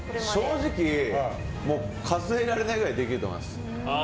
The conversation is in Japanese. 正直、数えられないぐらいできると思います。